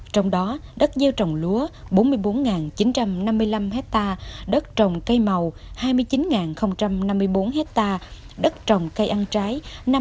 trong đó đất gieo trồng lúa bốn mươi bốn chín trăm năm mươi năm hectare đất trồng cây màu hai mươi chín năm mươi bốn hectare đất trồng cây ăn trái